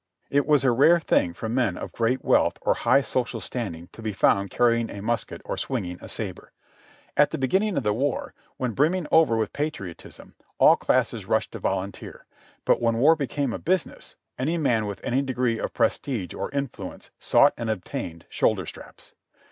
It was a rare thing for men of great wealth or high social standing to be found carrying a musket or swinging a sabre. At the beginning of the war, when brimming over with patriotism, all classes rushed to volunteer, but when war became a business, any man with any degree of prestige or influence sought and obtained shoulder straps.